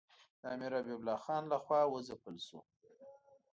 د امیر حبیب الله خان له خوا وځپل شو.